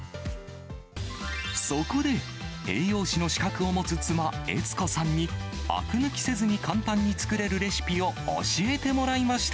そこで、栄養士の資格を持つ妻、悦子さんにあく抜きせずに簡単に作れるレシピを教えてもらいました。